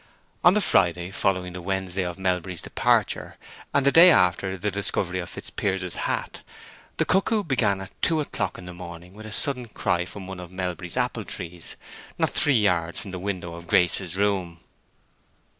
On the Friday following the Wednesday of Melbury's departure, and the day after the discovery of Fitzpiers's hat, the cuckoo began at two o'clock in the morning with a sudden cry from one of Melbury's apple trees, not three yards from the window of Grace's room.